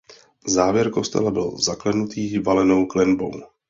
Závěr kostela byl zaklenutý valenou klenbou.